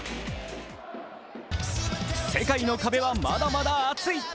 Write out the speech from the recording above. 世界の壁はまだまだ厚い。